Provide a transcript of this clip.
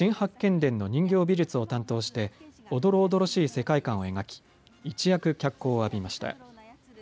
伝の人形美術を担当しておどろおどろしい世界観を描き一躍脚光を浴びました。